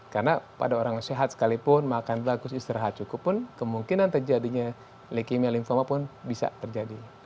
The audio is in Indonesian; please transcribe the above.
karena pada orang yang sehat sekalipun makan bagus istirahat cukup pun kemungkinan terjadinya leukemia lymphoma pun bisa terjadi